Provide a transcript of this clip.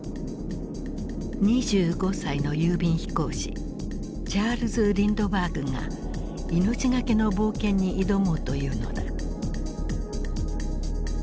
２５歳の郵便飛行士チャールズ・リンドバーグが命懸けの冒険に挑もうというのだ。